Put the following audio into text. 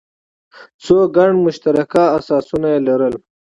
خو ګڼ مشترک اساسونه یې لرل.